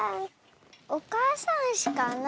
おかあさんうしかな